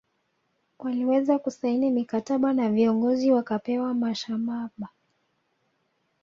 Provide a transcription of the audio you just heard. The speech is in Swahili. Waliweza kusaini mikataba na viongozi wakapewa mashamaba